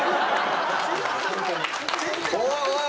おいおい